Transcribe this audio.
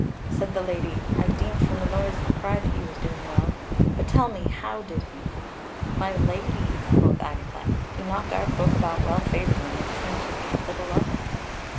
Said the Lady: "I deemed from the noise and the cry that he was doing well. But tell me, how did he?" "My Lady," quoth Agatha, "he knocked our folk about well favouredly, and seemed to think little of it."